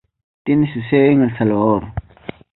Tiene su sede en El Salvador.